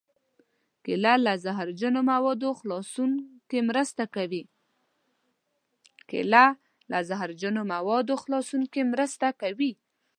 کېله له زهرجنو موادو خلاصون کې مرسته کوي.